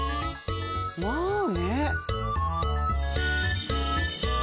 まあね。